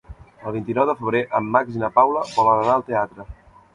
El vint-i-nou de febrer en Max i na Paula volen anar al teatre.